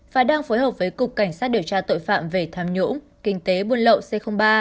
và đang phối hợp với cục cảnh sát điều tra tội phạm về tham nhũng kinh tế buôn lậu c ba